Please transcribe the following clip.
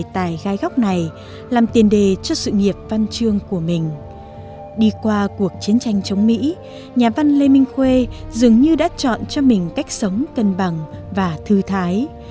thầy minh khuê dường như đã chọn cho mình cách sống cân bằng và thư thái